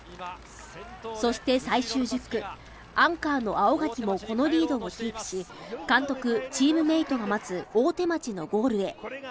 そして最終１０区アンカーの青柿もこのリードをキープし監督、チームメイトが待つ大手町のゴールへ。